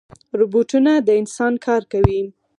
روبوټونه د انسان کار کوي